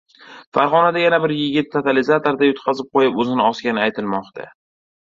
Farg‘onada yana bir yigit totalizatorda yutqazib qo‘yib, o‘zini osgani aytilmoqda